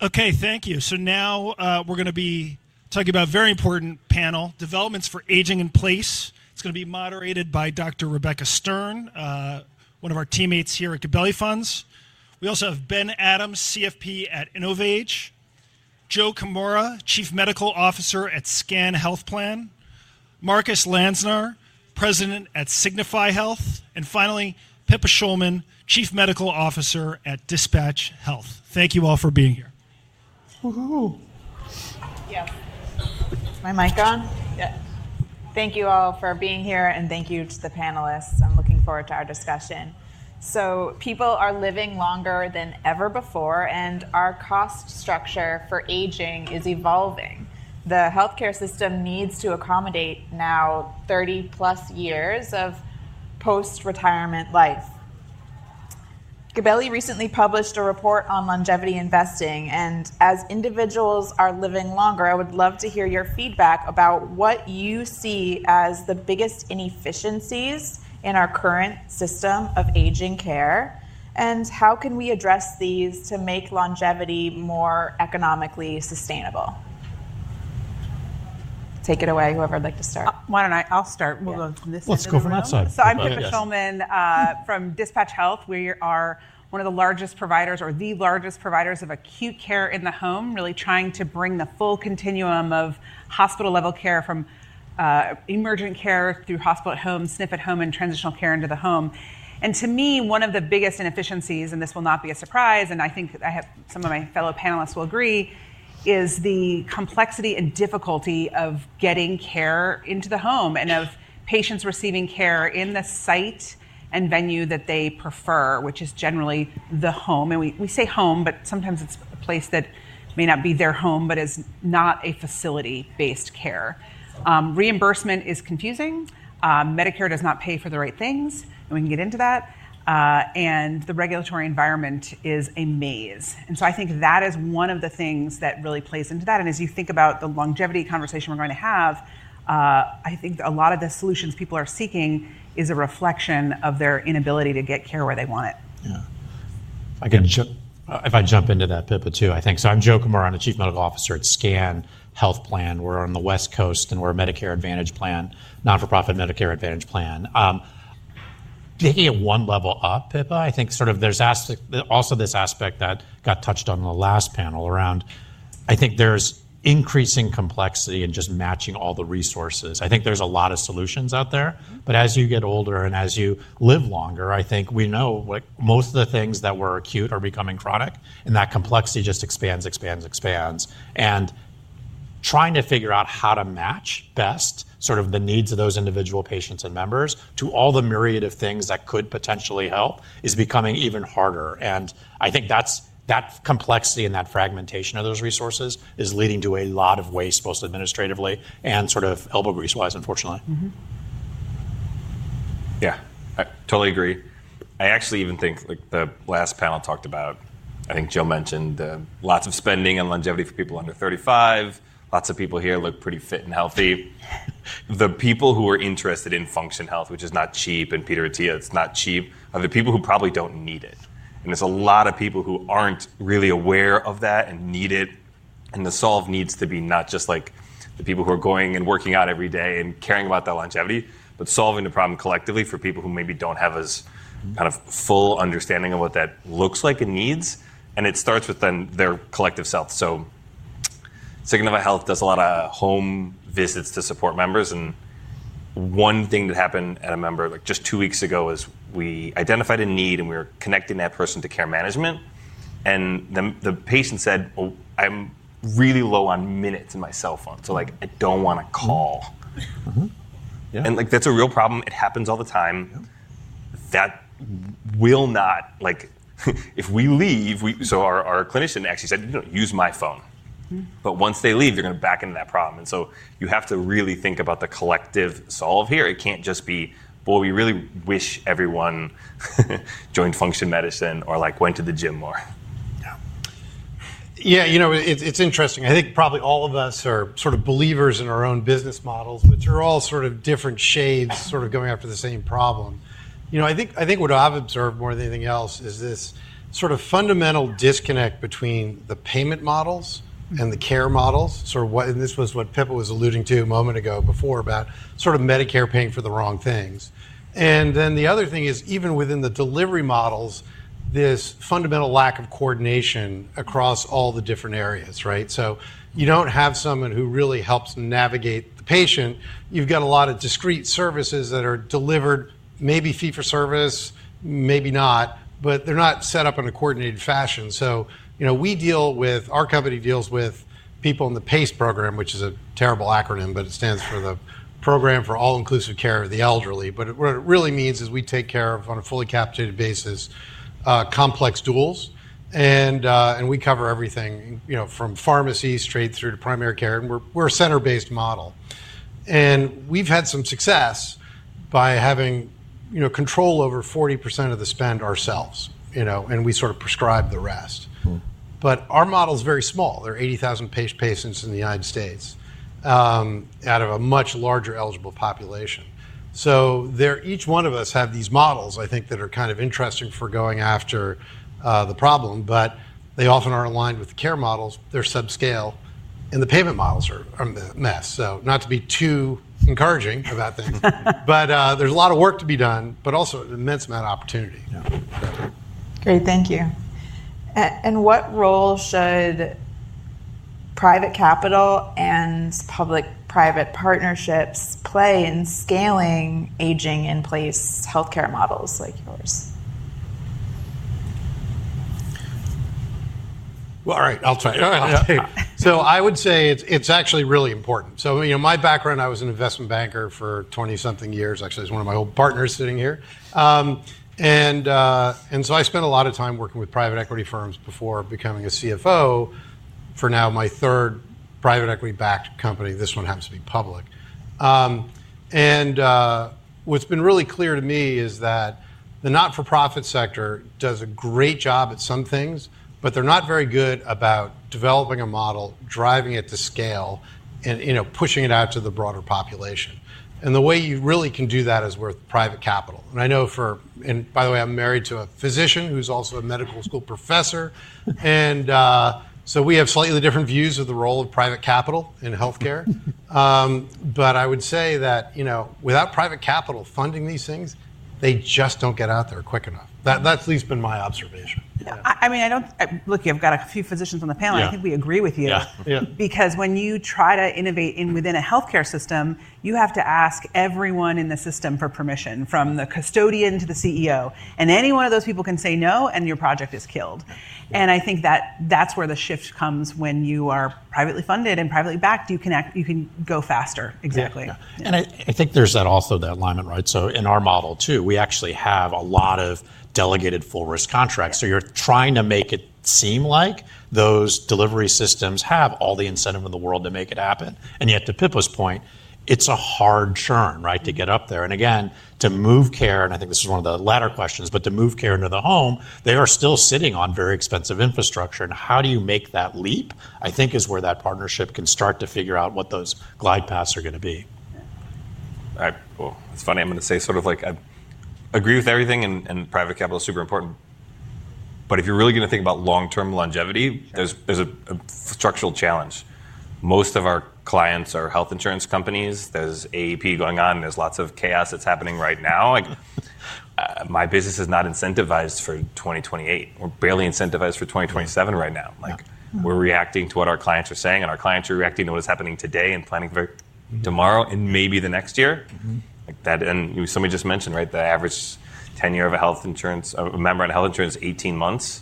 Okay, thank you. Now we're going to be talking about a very important panel, Developments for Aging in Place. It's going to be moderated by Dr. Rebecca Stern, one of our teammates here at Gabelli Funds. We also have Ben Adams, CFP at InnovAge, Joe Kimura, Chief Medical Officer at SCAN Health Plan, Marcus Landsner, President at Signify Health, and finally, Pippa Schulman, Chief Medical Officer at DispatchHealth. Thank you all for being here. My mic on? Yeah. Thank you all for being here, and thank you to the panelists. I'm looking forward to our discussion. People are living longer than ever before, and our cost structure for aging is evolving. The health care system needs to accommodate now 30+ years of post-retirement life. Gabelli recently published a report on longevity investing, and as individuals are living longer, I would love to hear your feedback about what you see as the biggest inefficiencies in our current system of aging care, and how can we address these to make longevity more economically sustainable. Take it away, whoever would like to start. Why don't I? I'll start. We'll go from this side. Let's go from that side. I'm Pippa Schulman from DispatchHealth, where we are one of the largest providers, or the largest providers of acute care in the home, really trying to bring the full continuum of hospital-level care from emergent care through hospital at home, SNF at home, and transitional care into the home. To me, one of the biggest inefficiencies, and this will not be a surprise, and I think some of my fellow panelists will agree, is the complexity and difficulty of getting care into the home and of patients receiving care in the site and venue that they prefer, which is generally the home. We say home, but sometimes it's a place that may not be their home, but is not a facility-based care. Reimbursement is confusing. Medicare does not pay for the right things, and we can get into that. The regulatory environment is a maze. I think that is one of the things that really plays into that. As you think about the longevity conversation we're going to have, I think a lot of the solutions people are seeking is a reflection of their inability to get care where they want it. Yeah. If I jump into that, Pippa, too, I think. So I'm Joe Kimura, I'm the Chief Medical Officer at SCAN Health Plan. We're on the West Coast, and we're a Medicare Advantage plan, not-for-profit Medicare Advantage plan. Taking it one level up, Pippa, I think sort of there's also this aspect that got touched on in the last panel around, I think there's increasing complexity in just matching all the resources. I think there's a lot of solutions out there, but as you get older and as you live longer, I think we know most of the things that were acute are becoming chronic, and that complexity just expands, expands, expands. And trying to figure out how to match best sort of the needs of those individual patients and members to all the myriad of things that could potentially help is becoming even harder. I think that complexity and that fragmentation of those resources is leading to a lot of waste, both administratively and sort of elbow grease-wise, unfortunately. Yeah, I totally agree. I actually even think the last panel talked about, I think Joe mentioned, lots of spending on longevity for people under 35. Lots of people here look pretty fit and healthy. The people who are interested in Function Health, which is not cheap, and Peter Attia, it's not cheap, are the people who probably don't need it. And there's a lot of people who aren't really aware of that and need it. The solve needs to be not just like the people who are going and working out every day and caring about their longevity, but solving the problem collectively for people who maybe don't have as kind of full understanding of what that looks like and needs. It starts with then their collective self. Signify Health does a lot of home visits to support members. One thing that happened at a member just two weeks ago is we identified a need, and we were connecting that person to care management. The patient said, "I'm really low on minutes in my cell phone, so I don't want to call." That is a real problem. It happens all the time. That will not, if we leave, so our clinician actually said, "You can use my phone." Once they leave, they're going to back into that problem. You have to really think about the collective solve here. It can't just be, "We really wish everyone joined function medicine or went to the gym more. Yeah, you know it's interesting. I think probably all of us are sort of believers in our own business models, which are all sort of different shades, sort of going after the same problem. You know, I think what I've observed more than anything else is this sort of fundamental disconnect between the payment models and the care models. This was what Pippa was alluding to a moment ago before about sort of Medicare paying for the wrong things. The other thing is, even within the delivery models, this fundamental lack of coordination across all the different areas, right? You don't have someone who really helps navigate the patient. You've got a lot of discrete services that are delivered, maybe fee for service, maybe not, but they're not set up in a coordinated fashion. We deal with, our company deals with people in the PACE program, which is a terrible acronym, but it stands for the Program for All-Inclusive Care of the Elderly. What it really means is we take care of, on a fully capitated basis, complex duals, and we cover everything from pharmacy straight through to primary care. We are a center-based model. We have had some success by having control over 40% of the spend ourselves, and we sort of prescribe the rest. Our model is very small. There are 80,000 patients in the United States out of a much larger eligible population. Each one of us has these models, I think, that are kind of interesting for going after the problem, but they often are not aligned with the care models. They are subscale, and the payment models are a mess. Not to be too encouraging about things, but there's a lot of work to be done, but also an immense amount of opportunity. Great, thank you. What role should private capital and public-private partnerships play in scaling aging-in-place health care models like yours? All right, I'll try. I would say it's actually really important. My background, I was an investment banker for 20-something years. Actually, it's one of my old partners sitting here. I spent a lot of time working with private equity firms before becoming a CFO, for now my third private equity-backed company. This one happens to be public. What's been really clear to me is that the not-for-profit sector does a great job at some things, but they're not very good about developing a model, driving it to scale, and pushing it out to the broader population. The way you really can do that is with private capital. I know for, and by the way, I'm married to a physician who's also a medical school professor. We have slightly different views of the role of private capital in health care. I would say that without private capital funding these things, they just do not get out there quick enough. That is at least been my observation. Yeah, I mean, I don't, look, I've got a few physicians on the panel. I think we agree with you. Because when you try to innovate within a health care system, you have to ask everyone in the system for permission, from the custodian to the CEO. Any one of those people can say no, and your project is killed. I think that that's where the shift comes when you are privately funded and privately backed, you can go faster, exactly. I think there's that also that alignment, right? In our model, too, we actually have a lot of delegated full-risk contracts. You're trying to make it seem like those delivery systems have all the incentive in the world to make it happen. Yet to Pippa's point, it's a hard churn, right, to get up there. Again, to move care, and I think this is one of the latter questions, but to move care into the home, they are still sitting on very expensive infrastructure. How do you make that leap, I think, is where that partnership can start to figure out what those glide paths are going to be. All right, cool. It's funny, I'm going to say sort of like I agree with everything, and private capital is super important. If you're really going to think about long-term longevity, there's a structural challenge. Most of our clients are health insurance companies. There's AEP going on. There's lots of chaos that's happening right now. My business is not incentivized for 2028. We're barely incentivized for 2027 right now. We're reacting to what our clients are saying, and our clients are reacting to what is happening today and planning for tomorrow and maybe the next year. Somebody just mentioned, right, the average tenure of a health insurance member on health insurance is 18 months.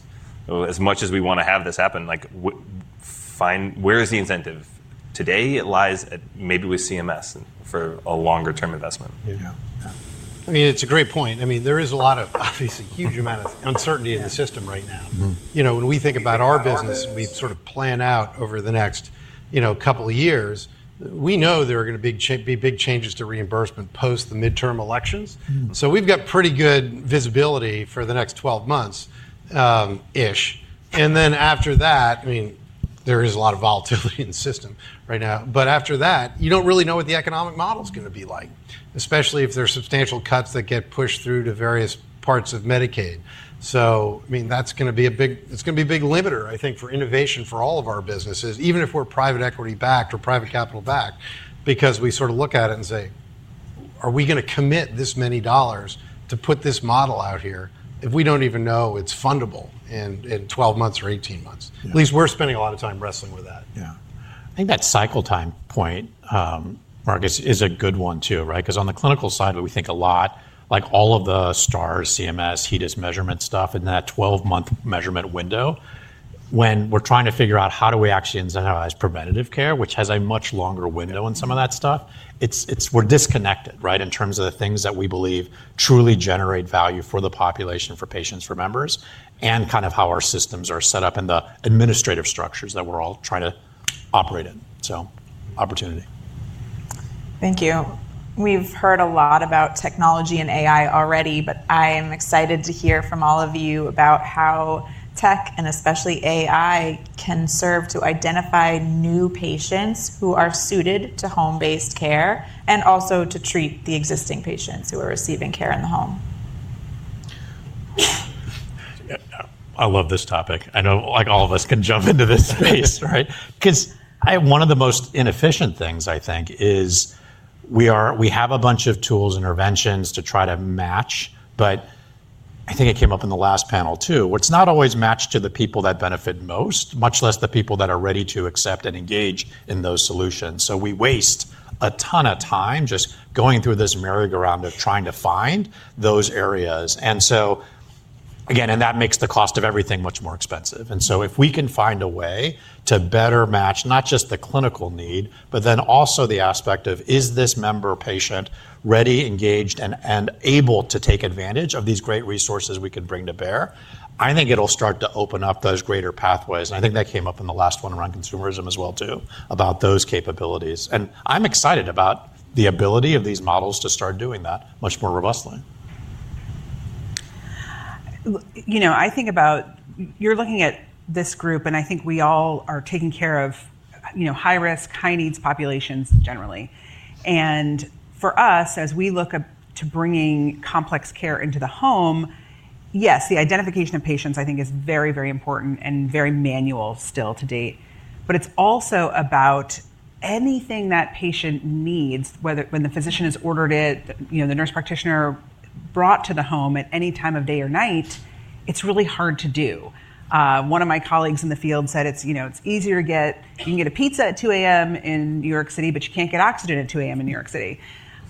As much as we want to have this happen, where is the incentive? Today, it lies maybe with CMS for a longer-term investment. Yeah, yeah. I mean, it's a great point. I mean, there is a lot of, obviously, huge amount of uncertainty in the system right now. When we think about our business, we sort of plan out over the next couple of years. We know there are going to be big changes to reimbursement post the midterm elections. So we've got pretty good visibility for the next 12 months-ish. After that, I mean, there is a lot of volatility in the system right now. After that, you don't really know what the economic model is going to be like, especially if there are substantial cuts that get pushed through to various parts of Medicaid. I mean, that's going to be a big, it's going to be a big limiter, I think, for innovation for all of our businesses, even if we're private equity-backed or private capital-backed, because we sort of look at it and say, are we going to commit this many dollars to put this model out here if we don't even know it's fundable in 12 months or 18 months? At least we're spending a lot of time wrestling with that. Yeah. I think that cycle time point, Marcus, is a good one, too, right? Because on the clinical side, we think a lot, like all of the STARS, CMS, HEDIS measurement stuff in that 12-month measurement window, when we're trying to figure out how do we actually incentivize preventative care, which has a much longer window on some of that stuff, we're disconnected, right, in terms of the things that we believe truly generate value for the population, for patients, for members, and kind of how our systems are set up and the administrative structures that we're all trying to operate in. Opportunity. Thank you. We've heard a lot about technology and AI already, but I am excited to hear from all of you about how tech, and especially AI, can serve to identify new patients who are suited to home-based care and also to treat the existing patients who are receiving care in the home. I love this topic. I know all of us can jump into this space, right? Because one of the most inefficient things, I think, is we have a bunch of tools and interventions to try to match, but I think it came up in the last panel, too, where it's not always matched to the people that benefit most, much less the people that are ready to accept and engage in those solutions. We waste a ton of time just going through this merry-go-round of trying to find those areas. That makes the cost of everything much more expensive. If we can find a way to better match not just the clinical need, but then also the aspect of, is this member patient ready, engaged, and able to take advantage of these great resources we can bring to bear? I think it'll start to open up those greater pathways. I think that came up in the last one around consumerism as well, too, about those capabilities. I'm excited about the ability of these models to start doing that much more robustly. You know, I think about, you're looking at this group, and I think we all are taking care of high-risk, high-needs populations generally. For us, as we look to bringing complex care into the home, yes, the identification of patients, I think, is very, very important and very manual still to date. It is also about anything that patient needs, whether when the physician has ordered it, the nurse practitioner brought to the home at any time of day or night, it's really hard to do. One of my colleagues in the field said it's easier to get, you can get a pizza at 2:00 A.M. in New York City, but you can't get oxygen at 2:00 A.M. in New York City.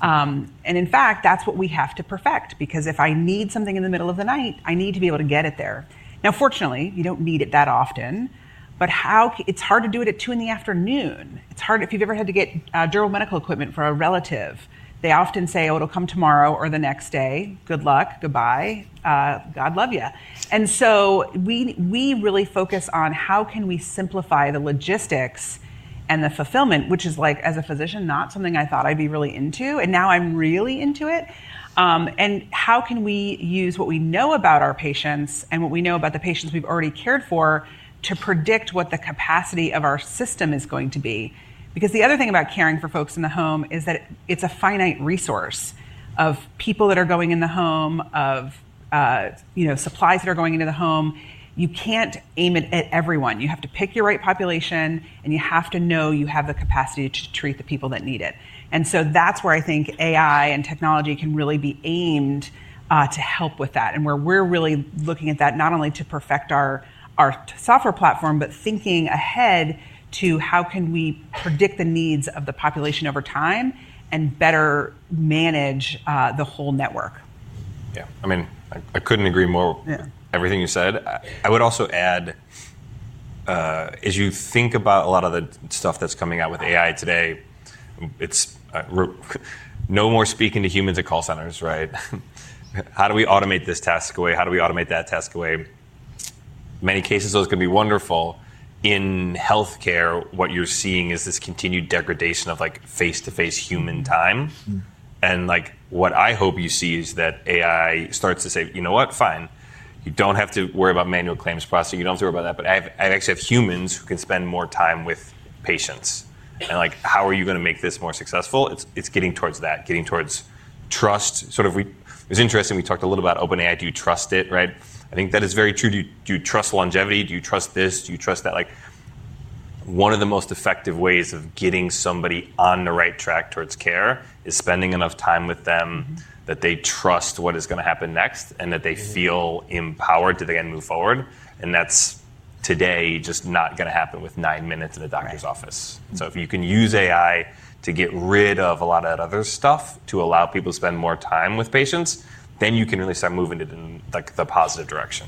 In fact, that's what we have to perfect, because if I need something in the middle of the night, I need to be able to get it there. Now, fortunately, you do not need it that often, but it's hard to do it at 2:00 in the afternoon. It's hard if you've ever had to get durable medical equipment for a relative. They often say, "Oh, it'll come tomorrow or the next day. Good luck. Goodbye. God love you." We really focus on how can we simplify the logistics and the fulfillment, which is, as a physician, not something I thought I'd be really into, and now I'm really into it. How can we use what we know about our patients and what we know about the patients we've already cared for to predict what the capacity of our system is going to be? Because the other thing about caring for folks in the home is that it's a finite resource of people that are going in the home, of supplies that are going into the home. You can't aim it at everyone. You have to pick your right population, and you have to know you have the capacity to treat the people that need it. That is where I think AI and technology can really be aimed to help with that. Where we're really looking at that, not only to perfect our software platform, but thinking ahead to how can we predict the needs of the population over time and better manage the whole network. Yeah, I mean, I couldn't agree more with everything you said. I would also add, as you think about a lot of the stuff that's coming out with AI today, it's no more speaking to humans at call centers, right? How do we automate this task away? How do we automate that task away? In many cases, those can be wonderful. In health care, what you're seeing is this continued degradation of face-to-face human time. What I hope you see is that AI starts to say, "You know what? Fine. You don't have to worry about manual claims processing. You don't have to worry about that." I actually have humans who can spend more time with patients. How are you going to make this more successful? It's getting towards that, getting towards trust. Sort of it was interesting. We talked a little about OpenAI. Do you trust it, right? I think that is very true. Do you trust longevity? Do you trust this? Do you trust that? One of the most effective ways of getting somebody on the right track towards care is spending enough time with them that they trust what is going to happen next and that they feel empowered to then move forward. That is today just not going to happen with nine minutes in a doctor's office. If you can use AI to get rid of a lot of that other stuff to allow people to spend more time with patients, you can really start moving it in the positive direction.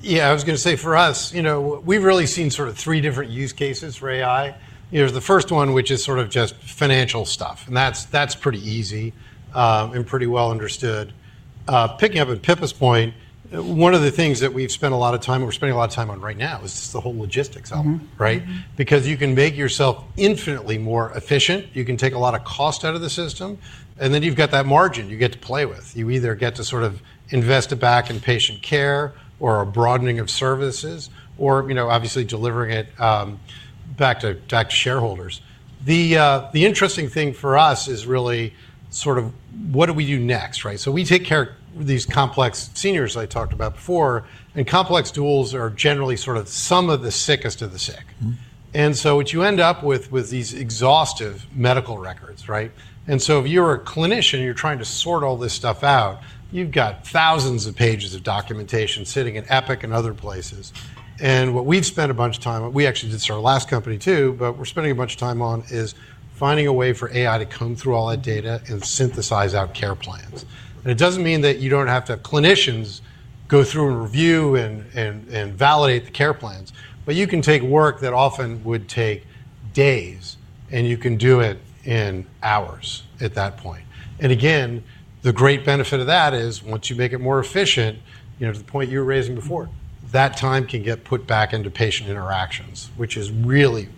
Yeah, I was going to say for us, we've really seen sort of three different use cases for AI. There's the first one, which is sort of just financial stuff. That's pretty easy and pretty well understood. Picking up on Pippa's point, one of the things that we've spent a lot of time, we're spending a lot of time on right now, is just the whole logistics element, right? Because you can make yourself infinitely more efficient. You can take a lot of cost out of the system. And then you've got that margin you get to play with. You either get to sort of invest it back in patient care or a broadening of services or obviously delivering it back to shareholders. The interesting thing for us is really sort of what do we do next, right? We take care of these complex seniors I talked about before. Complex duals are generally sort of some of the sickest of the sick. What you end up with is these exhaustive medical records, right? If you're a clinician, you're trying to sort all this stuff out, you've got thousands of pages of documentation sitting in Epic and other places. What we've spent a bunch of time, we actually did this at our last company, too, but we're spending a bunch of time on is finding a way for AI to come through all that data and synthesize out care plans. It doesn't mean that you don't have to have clinicians go through and review and validate the care plans. You can take work that often would take days, and you can do it in hours at that point. The great benefit of that is once you make it more efficient, to the point you were raising before, that time can get put back into patient interactions, which is really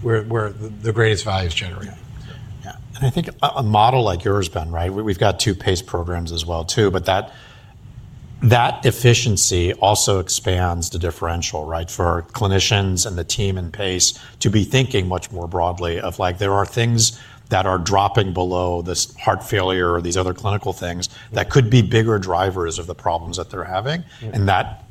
where the greatest value is generated. Yeah. I think a model like yours has been, right? We've got two PACE programs as well, too. That efficiency also expands the differential, right, for clinicians and the team and PACE to be thinking much more broadly of like there are things that are dropping below this heart failure or these other clinical things that could be bigger drivers of the problems that they're having. That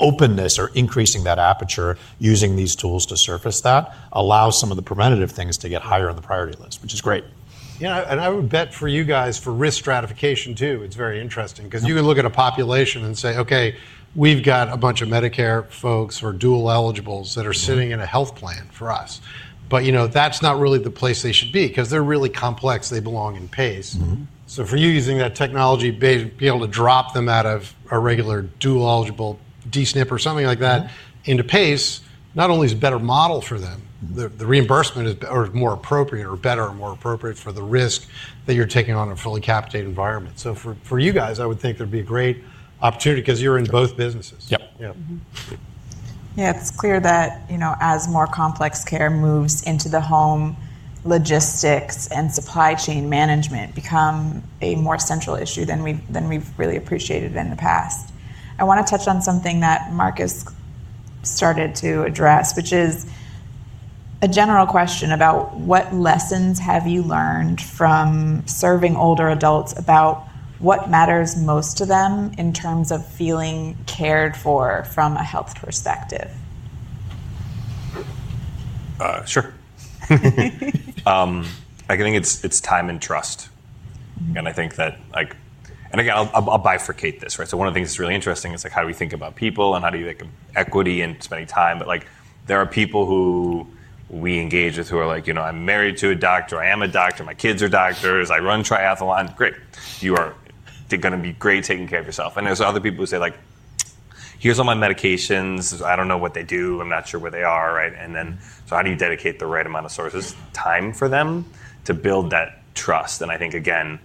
openness or increasing that aperture using these tools to surface that allows some of the preventative things to get higher on the priority list, which is great. Yeah. I would bet for you guys for risk stratification, too. It's very interesting because you can look at a population and say, "Okay, we've got a bunch of Medicare folks who are dual eligibles that are sitting in a health plan for us." That is not really the place they should be because they're really complex. They belong in PACE. For you, using that technology to be able to drop them out of a regular dual eligible DSNP or something like that into PACE, not only is it a better model for them, the reimbursement is more appropriate or better or more appropriate for the risk that you're taking on a fully capitated environment. For you guys, I would think there'd be a great opportunity because you're in both businesses. Yep. Yeah, it's clear that as more complex care moves into the home, logistics and supply chain management become a more central issue than we've really appreciated in the past. I want to touch on something that Marcus started to address, which is a general question about what lessons have you learned from serving older adults about what matters most to them in terms of feeling cared for from a health perspective. Sure. I think it's time and trust. I think that, and again, I'll bifurcate this, right? One of the things that's really interesting is how do we think about people and how do you think of equity and spending time. There are people who we engage with who are like, "I'm married to a doctor. I am a doctor. My kids are doctors. I run triathlon. Great. You are going to be great taking care of yourself." There are other people who say like, "Here's all my medications. I don't know what they do. I'm not sure where they are," right? How do you dedicate the right amount of sources, time for them to build that trust? I think, again,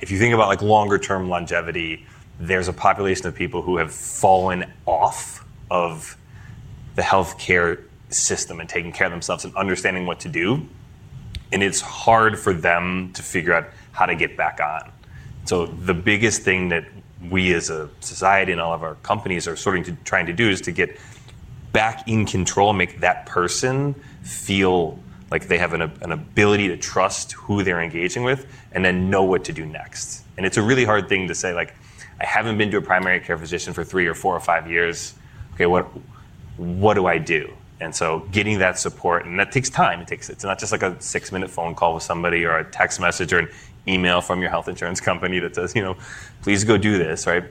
if you think about longer-term longevity, there's a population of people who have fallen off of the health care system and taking care of themselves and understanding what to do. It's hard for them to figure out how to get back on. The biggest thing that we as a society and all of our companies are sort of trying to do is to get back in control and make that person feel like they have an ability to trust who they're engaging with and then know what to do next. It's a really hard thing to say like, "I haven't been to a primary care physician for three or four or five years. Okay, what do I do?" Getting that support, and that takes time. It's not just like a six-minute phone call with somebody or a text message or an email from your health insurance company that says, "Please go do this," right?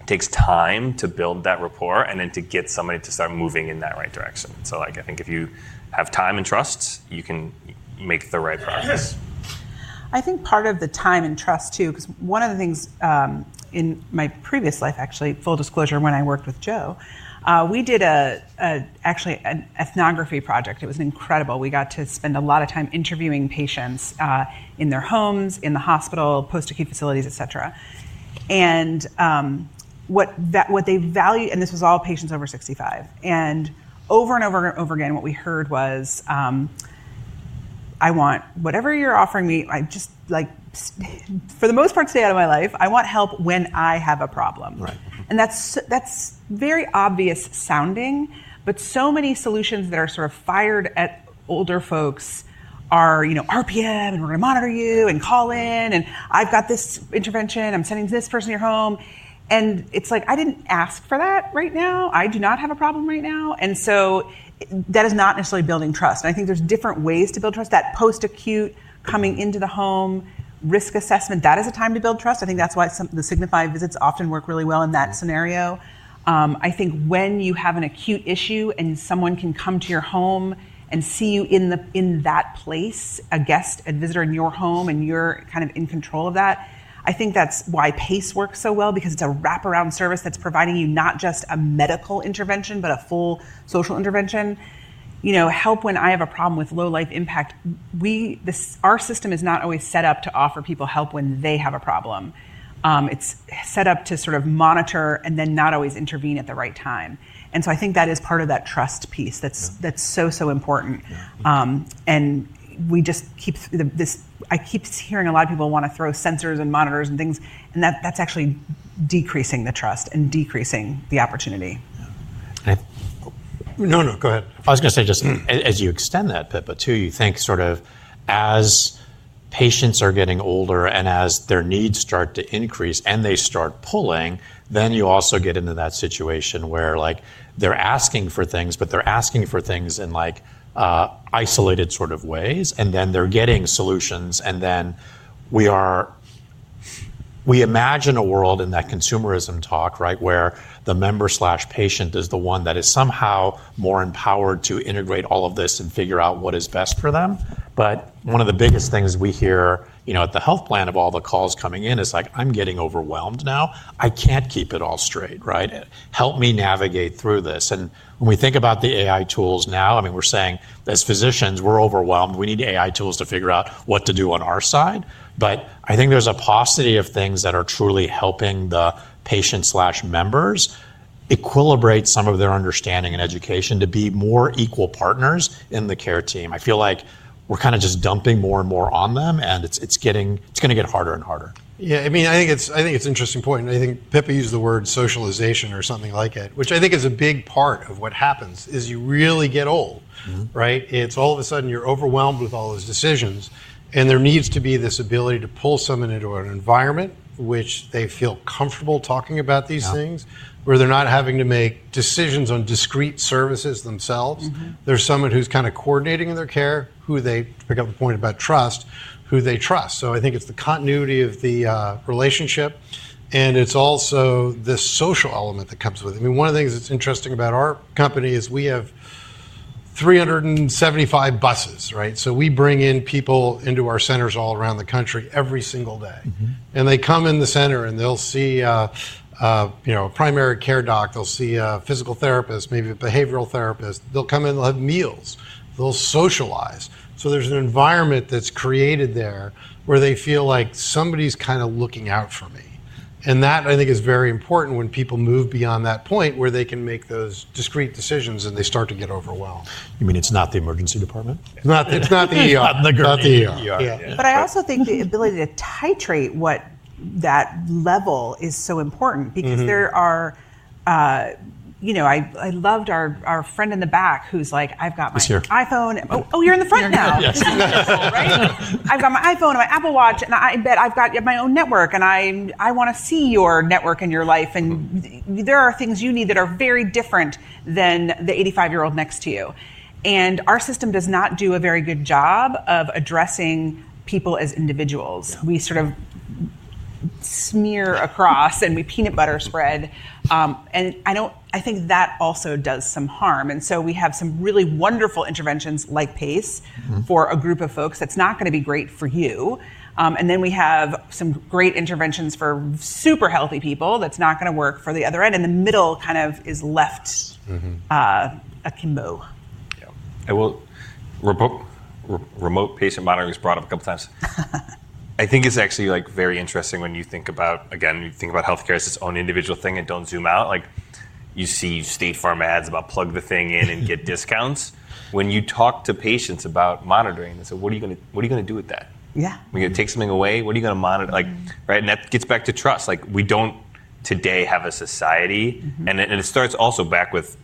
It takes time to build that rapport and then to get somebody to start moving in that right direction. I think if you have time and trust, you can make the right progress. I think part of the time and trust, too, because one of the things in my previous life, actually, full disclosure, when I worked with Joe, we did actually an ethnography project. It was incredible. We got to spend a lot of time interviewing patients in their homes, in the hospital, post-acute facilities, etc. What they value, and this was all patients over 65. Over and over and over again, what we heard was, "I want whatever you're offering me, for the most part, stay out of my life. I want help when I have a problem." That is very obvious sounding, but so many solutions that are sort of fired at older folks are, "RPM, and we're going to monitor you and call in, and I've got this intervention. I'm sending this person to your home." It is like, "I did not ask for that right now. I do not have a problem right now." That is not necessarily building trust. I think there are different ways to build trust. That post-acute, coming into the home, risk assessment, that is a time to build trust. I think that is why the Signify visits often work really well in that scenario. I think when you have an acute issue and someone can come to your home and see you in that place, a guest, a visitor in your home, and you are kind of in control of that, I think that is why PACE works so well, because it is a wraparound service that is providing you not just a medical intervention, but a full social intervention. Help when I have a problem with low-life impact. Our system is not always set up to offer people help when they have a problem. It's set up to sort of monitor and then not always intervene at the right time. I think that is part of that trust piece that's so, so important. I just keep hearing a lot of people want to throw sensors and monitors and things, and that's actually decreasing the trust and decreasing the opportunity. No, no, go ahead. I was going to say just as you extend that pivot, too, you think sort of as patients are getting older and as their needs start to increase and they start pulling, then you also get into that situation where they're asking for things, but they're asking for things in isolated sort of ways, and then they're getting solutions. We imagine a world in that consumerism talk, right, where the member/patient is the one that is somehow more empowered to integrate all of this and figure out what is best for them. One of the biggest things we hear at the health plan of all the calls coming in is like, "I'm getting overwhelmed now. I can't keep it all straight," right? "Help me navigate through this." When we think about the AI tools now, I mean, we're saying, "As physicians, we're overwhelmed. We need AI tools to figure out what to do on our side. I think there's a paucity of things that are truly helping the patient/members equilibrate some of their understanding and education to be more equal partners in the care team. I feel like we're kind of just dumping more and more on them, and it's going to get harder and harder. Yeah. I mean, I think it's an interesting point. I think Pippa used the word socialization or something like it, which I think is a big part of what happens as you really get old, right? It's all of a sudden you're overwhelmed with all those decisions. There needs to be this ability to pull someone into an environment where they feel comfortable talking about these things, where they're not having to make decisions on discrete services themselves. There's someone who's kind of coordinating in their care, who—they pick up the point about trust—who they trust. I think it's the continuity of the relationship, and it's also the social element that comes with it. I mean, one of the things that's interesting about our company is we have 375 buses, right? We bring in people into our centers all around the country every single day. They come in the center, and they'll see a primary care doc. They'll see a physical therapist, maybe a behavioral therapist. They'll come in, they'll have meals. They'll socialize. There is an environment that's created there where they feel like somebody's kind of looking out for me. That, I think, is very important when people move beyond that point where they can make those discrete decisions and they start to get overwhelmed. You mean it's not the emergency department? It's not the Not the I also think the ability to titrate what that level is so important because there are, I loved our friend in the back who's like, "I've got my iPhone. It's here. Oh, you're in the front now. Yes. I've got my iPhone and my Apple Watch, and I bet I've got my own network, and I want to see your network and your life. There are things you need that are very different than the 85-year-old next to you. Our system does not do a very good job of addressing people as individuals. We sort of smear across, and we peanut butter spread. I think that also does some harm. We have some really wonderful interventions like PACE for a group of folks that's not going to be great for you. We have some great interventions for super healthy people that's not going to work for the other end. The middle kind of is left a kimbo. Yeah. Remote patient monitoring was brought up a couple of times. I think it's actually very interesting when you think about, again, you think about healthcare as its own individual thing and don't zoom out. You see State Farm ads about plug the thing in and get discounts. When you talk to patients about monitoring, they say, "What are you going to do with that? Yeah. When you take something away, what are you going to monitor? Right? That gets back to trust. We do not today have a society. It starts also back with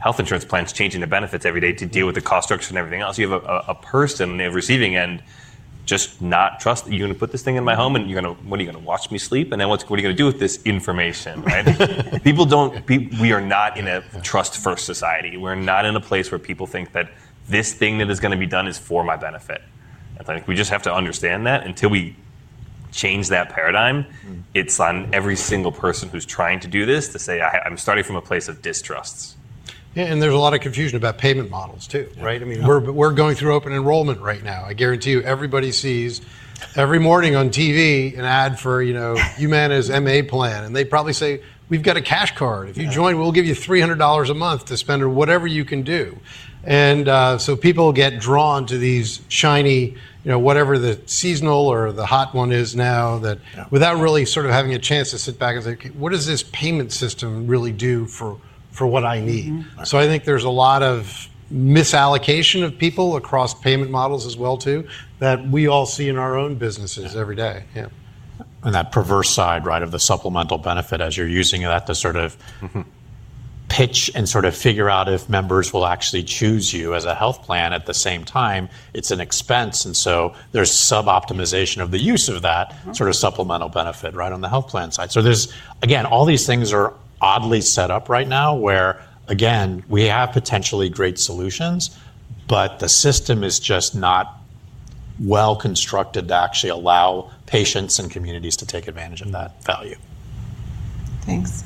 health insurance plans changing the benefits every day to deal with the cost structure and everything else. You have a person on the receiving end just not trust. You are going to put this thing in my home, and what are you going to watch me sleep? What are you going to do with this information, right? People do not, we are not in a trust-first society. We are not in a place where people think that this thing that is going to be done is for my benefit. I think we just have to understand that. Until we change that paradigm, it's on every single person who's trying to do this to say, "I'm starting from a place of distrust. Yeah. There is a lot of confusion about payment models, too, right? I mean, we are going through open enrollment right now. I guarantee you everybody sees every morning on TV an ad for Humana's MA plan. They probably say, "We have got a cash card. If you join, we will give you $300 a month to spend or whatever you can do." People get drawn to these shiny, whatever the seasonal or the hot one is now, without really sort of having a chance to sit back and say, "What does this payment system really do for what I need?" I think there is a lot of misallocation of people across payment models as well, too, that we all see in our own businesses every day. That perverse side, right, of the supplemental benefit as you're using that to sort of pitch and sort of figure out if members will actually choose you as a health plan. At the same time, it's an expense. There's sub-optimization of the use of that sort of supplemental benefit, right, on the health plan side. All these things are oddly set up right now where, again, we have potentially great solutions, but the system is just not well constructed to actually allow patients and communities to take advantage of that value. Thanks.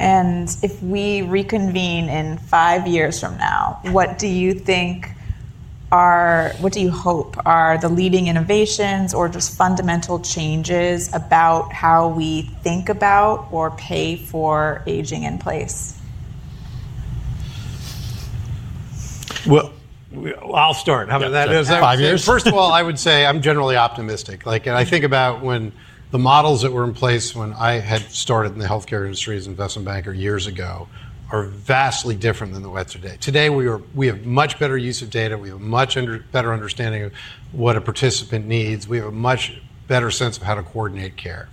If we reconvene in five years from now, what do you think are, what do you hope are the leading innovations or just fundamental changes about how we think about or pay for aging in place? I'll start. Five years. First of all, I would say I'm generally optimistic. I think about when the models that were in place when I had started in the healthcare industry as Investment Banker years ago are vastly different than the way it is today. Today, we have much better use of data. We have a much better understanding of what a participant needs. We have a much better sense of how to coordinate care.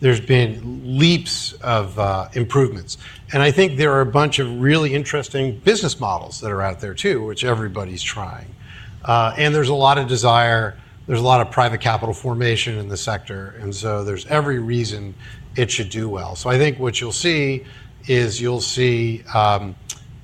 There have been leaps of improvements. I think there are a bunch of really interesting business models that are out there, too, which everybody's trying. There is a lot of desire. There is a lot of private capital formation in the sector. There is every reason it should do well. I think what you'll see is you'll see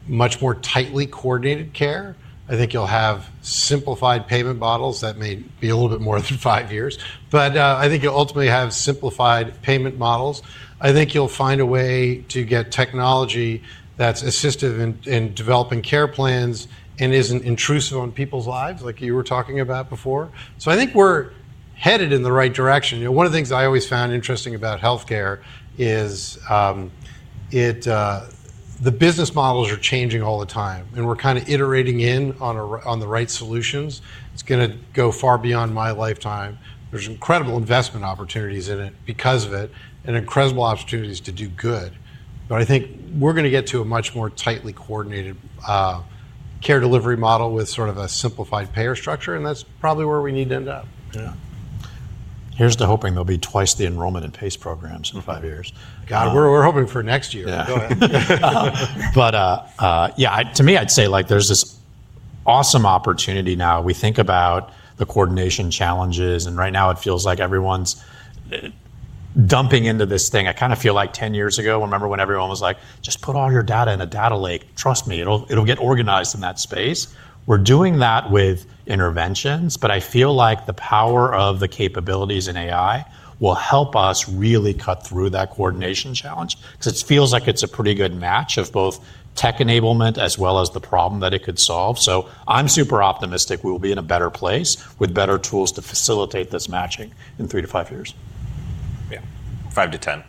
much more tightly coordinated care. I think you'll have simplified payment models that may be a little bit more than five years. But I think you'll ultimately have simplified payment models. I think you'll find a way to get technology that's assistive in developing care plans and isn't intrusive on people's lives, like you were talking about before. So I think we're headed in the right direction. One of the things I always found interesting about healthcare is the business models are changing all the time, and we're kind of iterating in on the right solutions. It's going to go far beyond my lifetime. There's incredible investment opportunities in it because of it and incredible opportunities to do good. But I think we're going to get to a much more tightly coordinated care delivery model with sort of a simplified payer structure. And that's probably where we need to end up. Yeah. Here's to hoping. There'll be twice the enrollment in PACE programs in five years. God, we're hoping for next year. Yeah. But yeah, to me, I'd say there's this awesome opportunity now. We think about the coordination challenges. Right now, it feels like everyone's dumping into this thing. I kind of feel like 10 years ago, remember when everyone was like, "Just put all your data in a data lake. Trust me, it'll get organized in that space." We're doing that with interventions. I feel like the power of the capabilities in AI will help us really cut through that coordination challenge because it feels like it's a pretty good match of both tech enablement as well as the problem that it could solve. I'm super optimistic we'll be in a better place with better tools to facilitate this matching in three to five years. Yeah. Five to ten.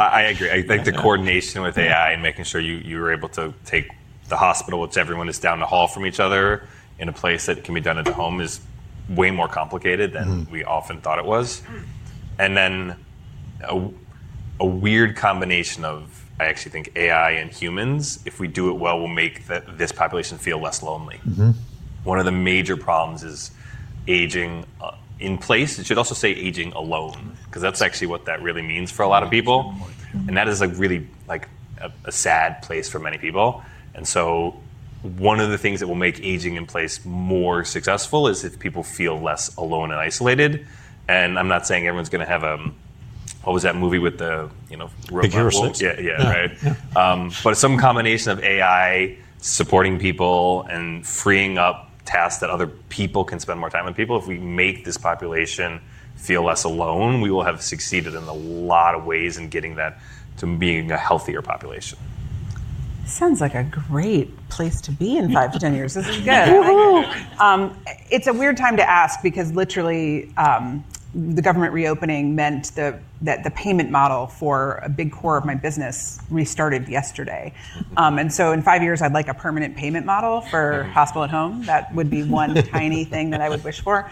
I agree. I think the coordination with AI and making sure you are able to take the hospital with everyone that's down the hall from each other in a place that can be done at the home is way more complicated than we often thought it was. A weird combination of, I actually think AI and humans, if we do it well, will make this population feel less lonely. One of the major problems is aging in place. It should also say aging alone because that's actually what that really means for a lot of people. That is really a sad place for many people. One of the things that will make aging in place more successful is if people feel less alone and isolated. I'm not saying everyone's going to have a, what was that movie with the. The Gears? Yeah, yeah, right? But some combination of AI supporting people and freeing up tasks that other people can spend more time on. People, if we make this population feel less alone, we will have succeeded in a lot of ways in getting that to being a healthier population. Sounds like a great place to be in five to ten years. This is good. Woo-hoo. It's a weird time to ask because literally the government reopening meant that the payment model for a big core of my business restarted yesterday. In five years, I'd like a permanent payment model for hospital at home. That would be one tiny thing that I would wish for.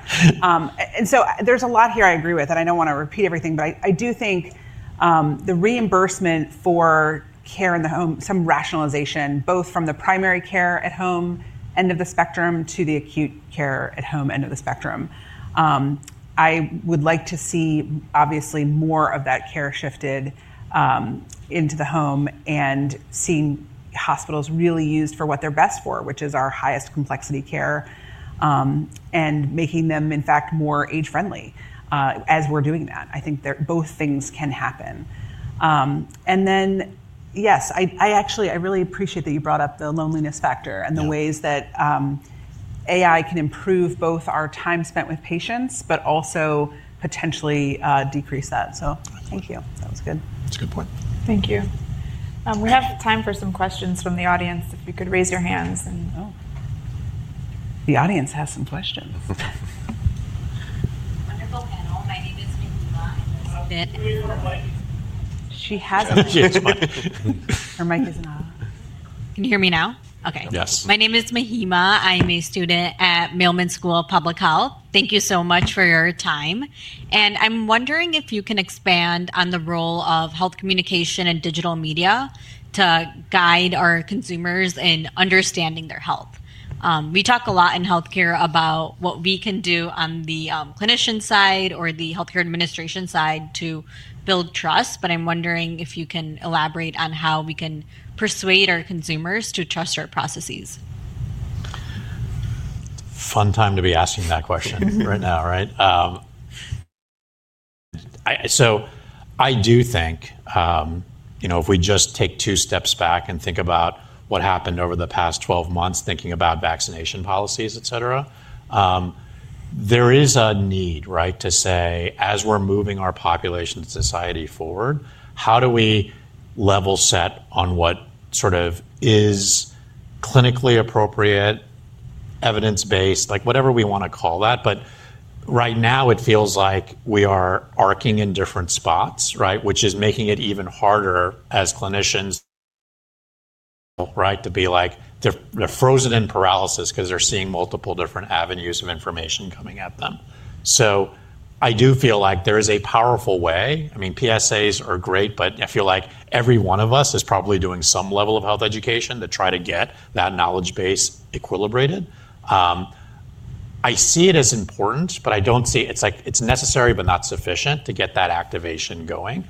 There's a lot here I agree with, and I don't want to repeat everything, but I do think the reimbursement for care in the home, some rationalization, both from the primary care at home end of the spectrum to the acute care at home end of the spectrum. I would like to see, obviously, more of that care shifted into the home and seeing hospitals really used for what they're best for, which is our highest complexity care and making them, in fact, more age-friendly as we're doing that. I think both things can happen. Yes, I actually, I really appreciate that you brought up the loneliness factor and the ways that AI can improve both our time spent with patients, but also potentially decrease that. Thank you. That was good. That's a good point. Thank you. We have time for some questions from the audience. If you could raise your hands. Oh. The audience has some questions. Wonderful panel. My name is Mahima. I'm a student. She has a mic. Her mic is not on. Can you hear me now? Okay. Yes. My name is Mahima. I'm a student at Mailman School of Public Health. Thank you so much for your time. I'm wondering if you can expand on the role of health communication and digital media to guide our consumers in understanding their health. We talk a lot in healthcare about what we can do on the clinician side or the healthcare administration side to build trust, but I'm wondering if you can elaborate on how we can persuade our consumers to trust our processes. Fun time to be asking that question right now, right? I do think if we just take two steps back and think about what happened over the past 12 months, thinking about vaccination policies, et cetera, there is a need, right, to say, as we're moving our population society forward, how do we level set on what sort of is clinically appropriate, evidence-based, whatever we want to call that? Right now, it feels like we are arcing in different spots, right, which is making it even harder as clinicians, right, to be like they're frozen in paralysis because they're seeing multiple different avenues of information coming at them. I do feel like there is a powerful way. I mean, PSAs are great, but I feel like every one of us is probably doing some level of health education to try to get that knowledge base equilibrated. I see it as important, but I don't see it's necessary, but not sufficient to get that activation going.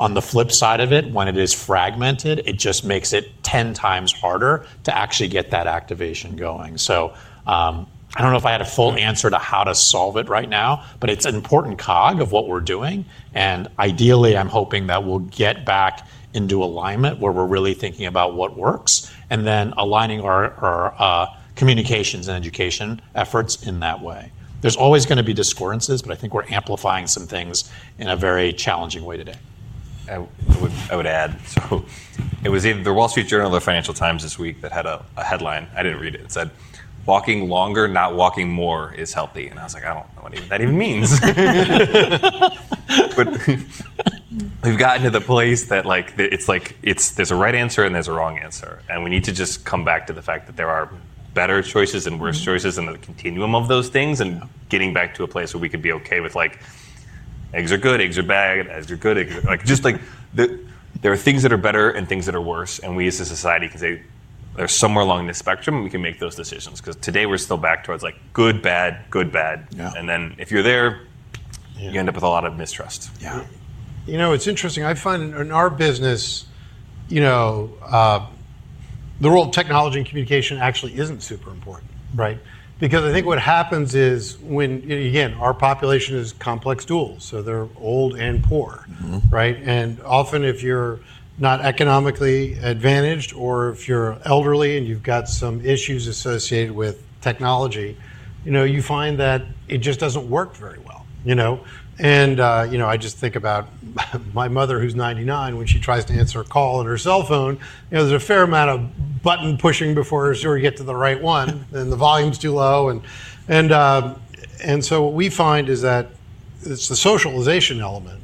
On the flip side of it, when it is fragmented, it just makes it 10x harder to actually get that activation going. I don't know if I had a full answer to how to solve it right now, but it's an important cog of what we're doing. Ideally, I'm hoping that we'll get back into alignment where we're really thinking about what works and then aligning our communications and education efforts in that way. There's always going to be discordances, but I think we're amplifying some things in a very challenging way today. I would add, it was either The Wall Street Journal or the Financial Times this week that had a headline. I didn't read it. It said, "Walking longer, not walking more is healthy." I was like, "I don't know what that even means." We have gotten to the place that it is like there is a right answer and there is a wrong answer. We need to just come back to the fact that there are better choices and worse choices and the continuum of those things, and getting back to a place where we could be okay with eggs are good, eggs are bad, eggs are good. Just like there are things that are better and things that are worse. We as a society can say there is somewhere along this spectrum, we can make those decisions. Because today, we are still back towards good, bad, good, bad. If you are there, you end up with a lot of mistrust. Yeah. You know, it's interesting. I find in our business, the role of technology and communication actually isn't super important, right? Because I think what happens is when, again, our population is complex duals. So they're old and poor, right? And often, if you're not economically advantaged or if you're elderly and you've got some issues associated with technology, you find that it just doesn't work very well. I just think about my mother, who's 99, when she tries to answer a call on her cell phone, there's a fair amount of button pushing before she'll get to the right one. The volume's too low. What we find is that it's the socialization element,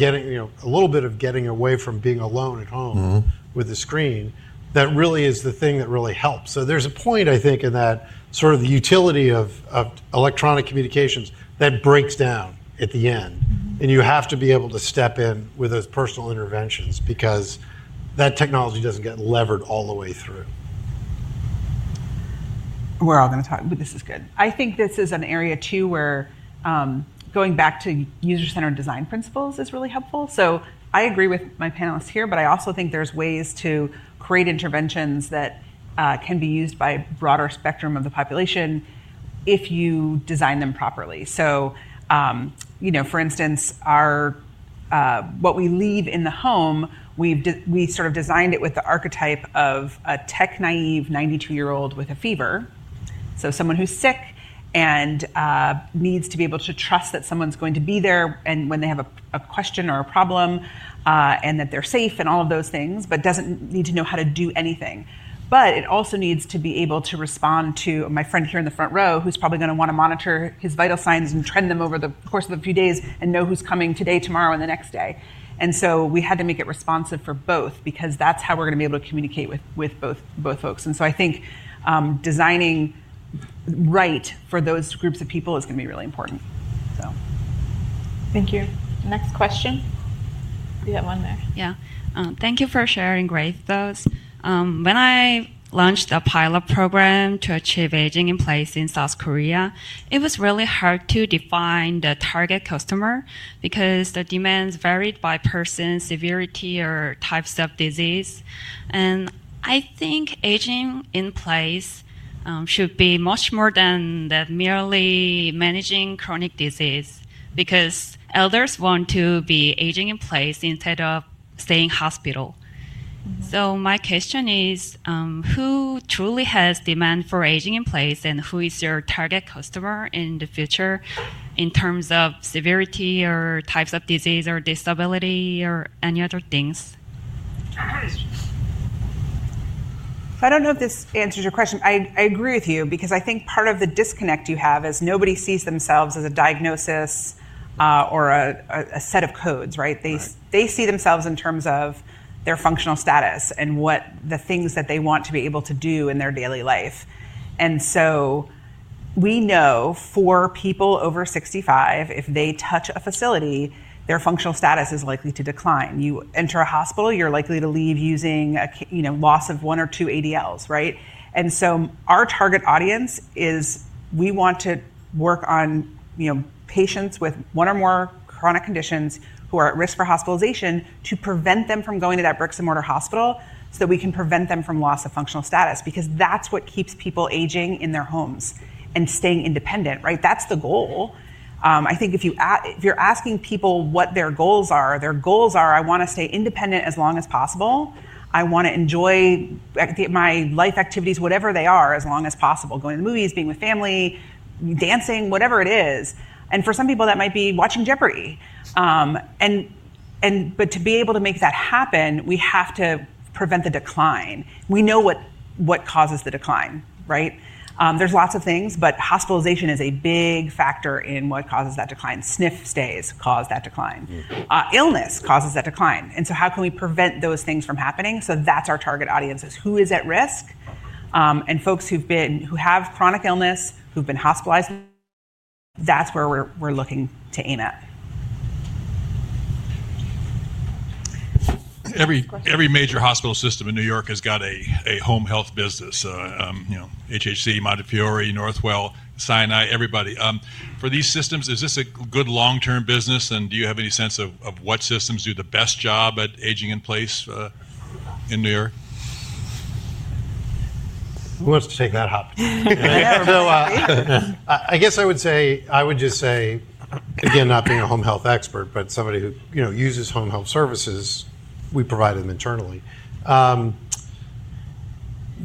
a little bit of getting away from being alone at home with a screen that really is the thing that really helps. There's a point, I think, in that sort of the utility of electronic communications that breaks down at the end. You have to be able to step in with those personal interventions because that technology doesn't get levered all the way through. We're all going to talk, but this is good. I think this is an area, too, where going back to user-centered design principles is really helpful. I agree with my panelists here, but I also think there's ways to create interventions that can be used by a broader spectrum of the population if you design them properly. For instance, what we leave in the home, we sort of designed it with the archetype of a tech-naive 92-year-old with a fever. Someone who's sick and needs to be able to trust that someone's going to be there when they have a question or a problem and that they're safe and all of those things, but doesn't need to know how to do anything. It also needs to be able to respond to my friend here in the front row, who's probably going to want to monitor his vital signs and trend them over the course of a few days and know who's coming today, tomorrow, and the next day. We had to make it responsive for both because that's how we're going to be able to communicate with both folks. I think designing right for those groups of people is going to be really important. Thank you. Next question. We have one there. Yeah. Thank you for sharing, Grace, those. When I launched a pilot program to achieve aging in place in South Korea, it was really hard to define the target customer because the demands varied by person, severity, or types of disease. I think aging in place should be much more than that, merely managing chronic disease, because elders want to be aging in place instead of staying in the hospital. My question is, who truly has demand for aging in place and who is your target customer in the future in terms of severity or types of disease or disability or any other things? I don't know if this answers your question. I agree with you because I think part of the disconnect you have is nobody sees themselves as a diagnosis or a set of codes, right? They see themselves in terms of their functional status and what the things that they want to be able to do in their daily life. We know for people over 65, if they touch a facility, their functional status is likely to decline. You enter a hospital, you're likely to leave using a loss of one or two ADLs, right? Our target audience is we want to work on patients with one or more chronic conditions who are at risk for hospitalization to prevent them from going to that bricks-and-mortar hospital so that we can prevent them from loss of functional status because that's what keeps people aging in their homes and staying independent, right? That's the goal. I think if you're asking people what their goals are, their goals are, "I want to stay independent as long as possible. I want to enjoy my life activities, whatever they are, as long as possible. Going to the movies, being with family, dancing, whatever it is." For some people, that might be watching Jeopardy. To be able to make that happen, we have to prevent the decline. We know what causes the decline, right? are lots of things, but hospitalization is a big factor in what causes that decline. SNF stays cause that decline. Illness causes that decline. How can we prevent those things from happening? That is our target audience, who is at risk and folks who have chronic illness, who have been hospitalized. That is where we are looking to aim at. Every major hospital system in New York has got a home health business: HHC, Montefiore, Northwell, Sinai, everybody. For these systems, is this a good long-term business? Do you have any sense of what systems do the best job at aging in place in New York? Who wants to take that hop? I guess I would say, I would just say, again, not being a home health expert, but somebody who uses home health services, we provide them internally. The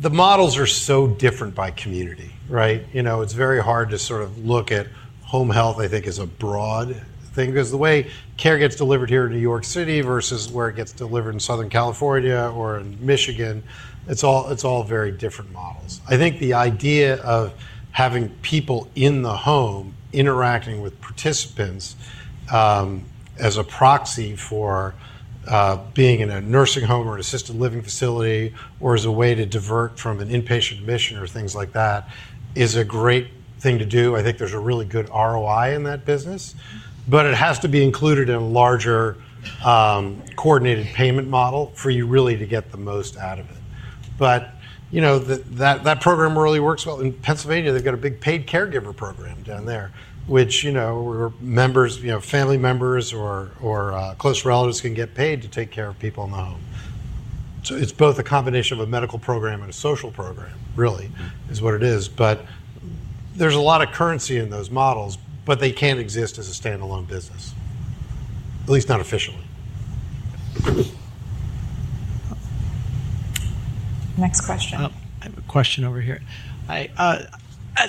models are so different by community, right? It's very hard to sort of look at home health, I think, as a broad thing because the way care gets delivered here in New York City versus where it gets delivered in Southern California or in Michigan, it's all very different models. I think the idea of having people in the home interacting with participants as a proxy for being in a nursing home or an assisted living facility or as a way to divert from an inpatient admission or things like that is a great thing to do. I think there's a really good ROI in that business, but it has to be included in a larger coordinated payment model for you really to get the most out of it. That program really works well. In Pennsylvania, they've got a big paid caregiver program down there, which members' family members or close relatives can get paid to take care of people in the home. It is both a combination of a medical program and a social program, really, is what it is. There is a lot of currency in those models, but they can't exist as a standalone business, at least not officially. Next question. I have a question over here.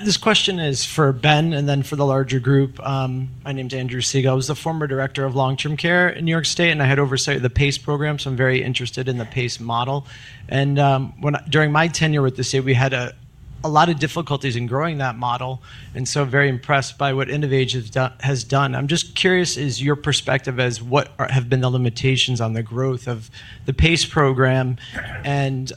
This question is for Ben and then for the larger group. My name is Andrew Siegel. I was the former director of long-term care in New York State, and I had oversight of the PACE program. I am very interested in the PACE model. During my tenure with the state, we had a lot of difficulties in growing that model. I am very impressed by what InnovAge has done. I am just curious, is your perspective as what have been the limitations on the growth of the PACE program? Is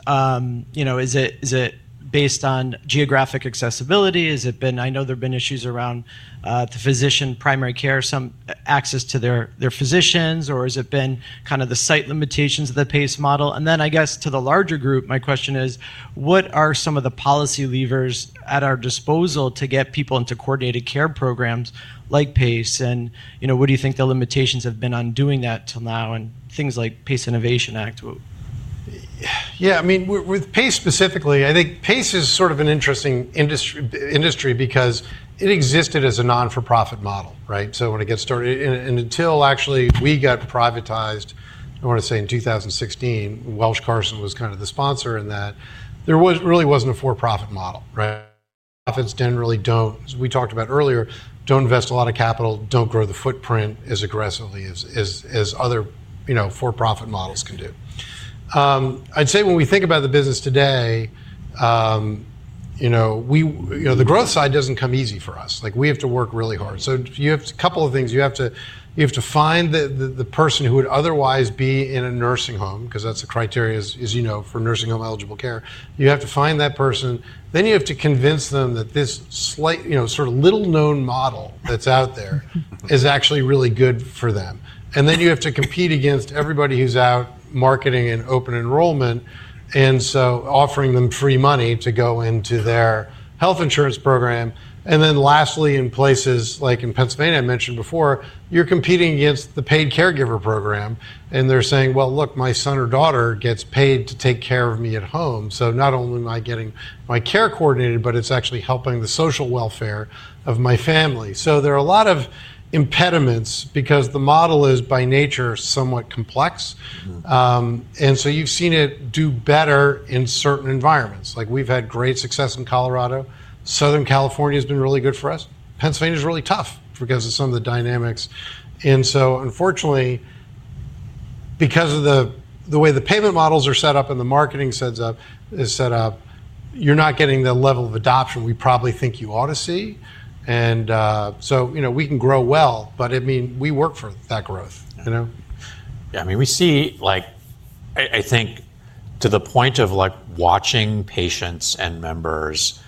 it based on geographic accessibility? I know there have been issues around the physician, primary care, some access to their physicians, or has it been kind of the site limitations of the PACE model? I guess to the larger group, my question is, what are some of the policy levers at our disposal to get people into coordinated care programs like PACE? What do you think the limitations have been on doing that till now and things like PACE Innovation Act? Yeah. I mean, with PACE specifically, I think PACE is sort of an interesting industry because it existed as a not-for-profit model, right? When it gets started, and until actually we got privatized, I want to say in 2016, Welsh Carson was kind of the sponsor in that, there really wasn't a for-profit model, right? Profits generally don't, as we talked about earlier, don't invest a lot of capital, don't grow the footprint as aggressively as other for-profit models can do. I'd say when we think about the business today, the growth side doesn't come easy for us. We have to work really hard. A couple of things. You have to find the person who would otherwise be in a nursing home, because that's the criteria, as you know, for nursing home eligible care. You have to find that person. Then you have to convince them that this sort of little-known model that's out there is actually really good for them. You have to compete against everybody who's out marketing and open enrollment and offering them free money to go into their health insurance program. Lastly, in places like in Pennsylvania, I mentioned before, you're competing against the paid caregiver program. They're saying, "Look, my son or daughter gets paid to take care of me at home. Not only am I getting my care coordinated, but it's actually helping the social welfare of my family. There are a lot of impediments because the model is by nature somewhat complex. You've seen it do better in certain environments. We've had great success in Colorado. Southern California has been really good for us. Pennsylvania is really tough because of some of the dynamics. Unfortunately, because of the way the payment models are set up and the marketing is set up, you're not getting the level of adoption we probably think you ought to see. We can grow well, but I mean, we work for that growth. Yeah. I mean, we see, I think, to the point of watching patients and members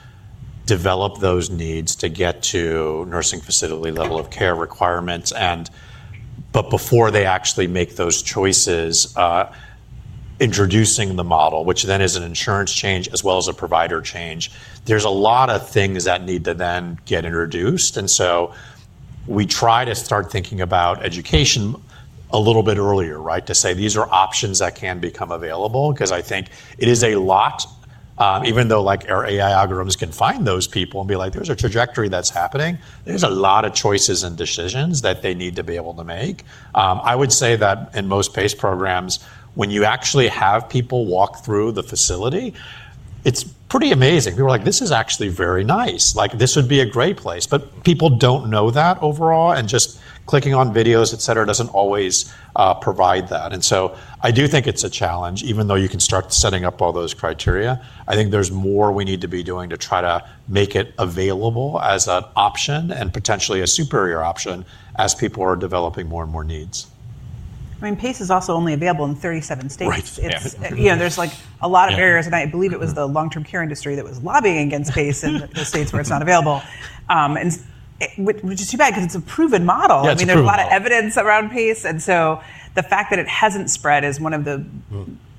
develop those needs to get to nursing facility level of care requirements. Before they actually make those choices, introducing the model, which then is an insurance change as well as a provider change, there are a lot of things that need to then get introduced. We try to start thinking about education a little bit earlier, right, to say these are options that can become available because I think it is a lot, even though our AI algorithms can find those people and be like, "There's a trajectory that's happening." There are a lot of choices and decisions that they need to be able to make. I would say that in most PACE programs, when you actually have people walk through the facility, it's pretty amazing. People are like, "This is actually very nice. This would be a great place. People do not know that overall. Just clicking on videos, etc., does not always provide that. I do think it is a challenge, even though you can start setting up all those criteria. I think there is more we need to be doing to try to make it available as an option and potentially a superior option as people are developing more and more needs. I mean, PACE is also only available in 37 states. There's a lot of barriers. I believe it was the long-term care industry that was lobbying against PACE in the states where it's not available, which is too bad because it's a proven model. I mean, there's a lot of evidence around PACE. The fact that it hasn't spread is one of the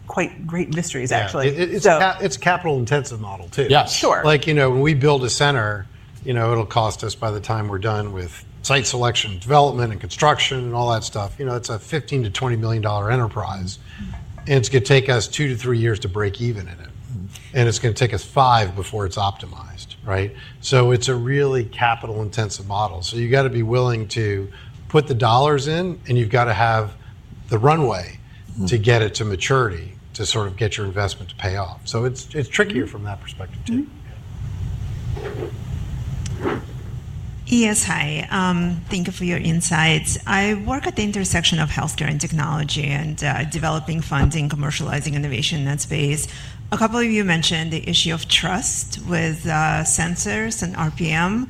quite great mysteries, actually. It's a capital-intensive model, too. Yeah. Sure. Like when we build a center, it'll cost us by the time we're done with site selection and development and construction and all that stuff. It's a $15 million-$20 million enterprise. It's going to take us two to three years to break even in it. It's going to take us five before it's optimized, right? It's a really capital-intensive model. You've got to be willing to put the dollars in, and you've got to have the runway to get it to maturity to sort of get your investment to pay off. It's trickier from that perspective, too. Thank you for your insights. I work at the intersection of healthcare and technology and developing funding, commercializing innovation in that space. A couple of you mentioned the issue of trust with sensors and RPM.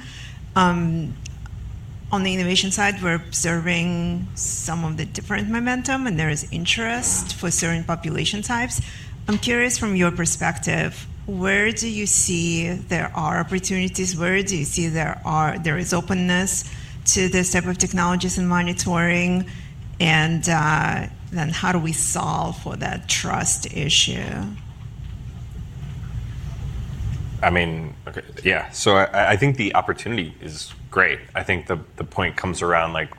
On the innovation side, we're observing some of the different momentum, and there is interest for certain population types. I'm curious, from your perspective, where do you see there are opportunities? Where do you see there is openness to this type of technologies and monitoring? How do we solve for that trust issue? I mean, yeah. I think the opportunity is great. I think the point comes around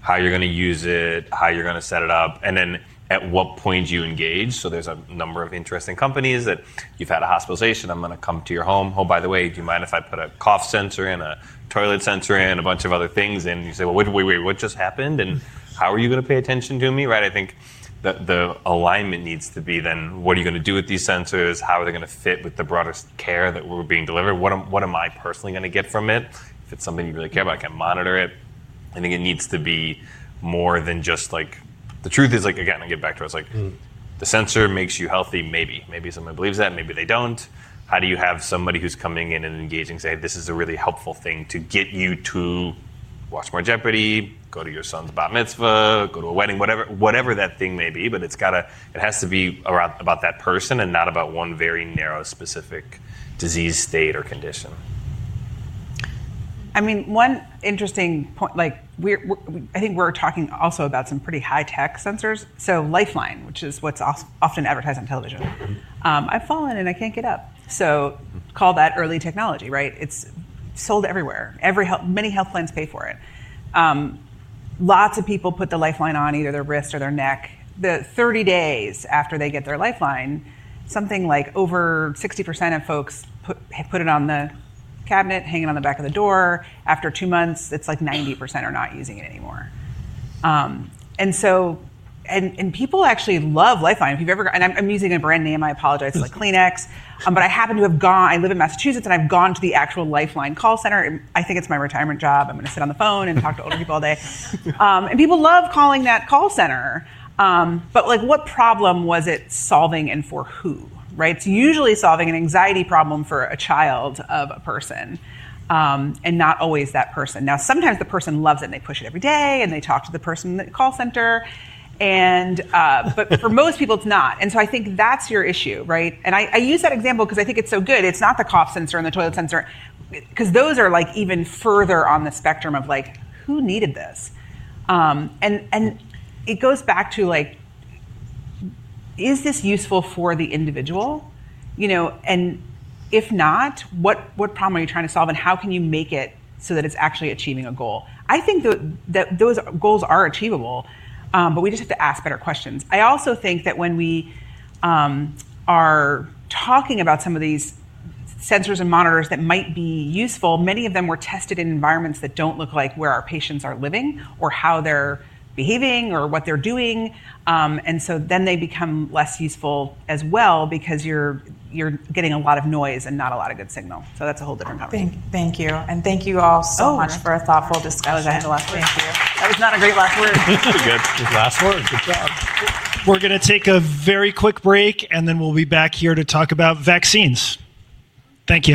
how you're going to use it, how you're going to set it up, and then at what point you engage. There's a number of interesting companies that you've had a hospitalization. I'm going to come to your home. Oh, by the way, do you mind if I put a cough sensor in, a toilet sensor in, a bunch of other things? You say, "Wait, wait, wait. What just happened? And how are you going to pay attention to me?" Right? I think the alignment needs to be then, what are you going to do with these sensors? How are they going to fit with the broader care that we're being delivered? What am I personally going to get from it? If it's something you really care about, I can monitor it. I think it needs to be more than just the truth is, again, I'll get back to it. It's like the sensor makes you healthy, maybe. Maybe someone believes that. Maybe they don't. How do you have somebody who's coming in and engaging say, "This is a really helpful thing to get you to watch more Jeopardy, go to your son's bat mitzvah, go to a wedding," whatever that thing may be. It has to be about that person and not about one very narrow specific disease state or condition. I mean, one interesting point, I think we're talking also about some pretty high-tech sensors. Lifeline, which is what's often advertised on television, "I've fallen and I can't get up." Call that early technology, right? It's sold everywhere. Many health plans pay for it. Lots of people put the Lifeline on either their wrist or their neck. The 30 days after they get their Lifeline, something like over 60% of folks have put it on the cabinet, hanging on the back of the door. After two months, it's like 90% are not using it anymore. People actually love Lifeline. I'm using a brand name. I apologize. It's like Kleenex. I happen to have gone, I live in Massachusetts, and I've gone to the actual Lifeline call center. I think it's my retirement job. I'm going to sit on the phone and talk to older people all day. People love calling that call center. What problem was it solving and for who, right? It's usually solving an anxiety problem for a child of a person and not always that person. Now, sometimes the person loves it, and they push it every day, and they talk to the person in the call center. For most people, it's not. I think that's your issue, right? I use that example because I think it's so good. It's not the cough sensor and the toilet sensor because those are even further on the spectrum of like, "Who needed this?" It goes back to, is this useful for the individual? If not, what problem are you trying to solve, and how can you make it so that it's actually achieving a goal? I think that those goals are achievable, but we just have to ask better questions. I also think that when we are talking about some of these sensors and monitors that might be useful, many of them were tested in environments that do not look like where our patients are living or how they're behaving or what they're doing. They become less useful as well because you're getting a lot of noise and not a lot of good signal. That is a whole different conversation. Thank you. Thank you all so much for a thoughtful discussion. That was not a great last word. That was a good last word. Good job. We're going to take a very quick break, and then we'll be back here to talk about vaccines. Thank you.